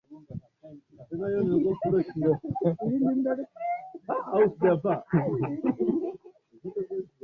alikuwa Askofu mkuu wa kanisa la Kianglikana Desmond Tutu ametangaza kustaafu kwake kutoka shughuli